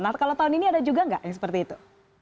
nah kalau tahun ini ada juga nggak yang seperti itu